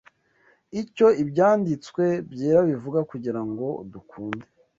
icyo Ibyanditswe Byera bivuga kugira ngo dukunde